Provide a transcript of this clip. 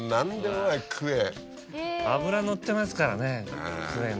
脂のってますからねクエね。